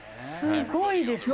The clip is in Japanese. すごいですね。